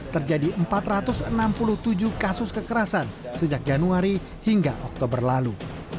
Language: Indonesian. terjadi empat ratus enam puluh tujuh kasus kekerasan sejak januari hingga oktober lalu